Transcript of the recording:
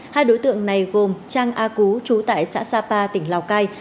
hai đối tượng này gồm trang a cú chú tại xã sapa tỉnh lào cai